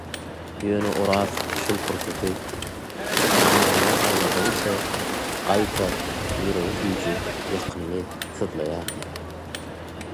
ýöne Oraz şol pursaty aňynda aýladygyça, gaýta, ýüregi süýji, ýakymly syzlaýardy.